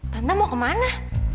tante mau ke mana